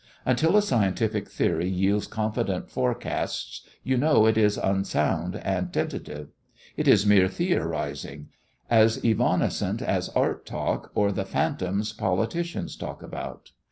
Until a scientific theory yields confident forecasts you know it is unsound and tentative; it is mere theorizing, as evanescent as art talk or the phantoms politicians talk about.